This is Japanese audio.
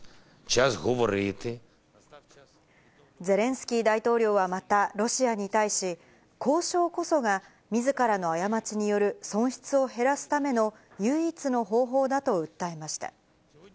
ゼレンスキー大統領はまた、ロシアに対し、交渉こそがみずからの過ちによる損失を減らすための、唯一の方法だと訴えました。